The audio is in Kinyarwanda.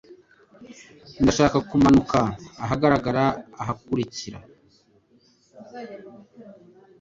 Ndashaka kumanuka ahagarara ahakurikira. (lukaszpp)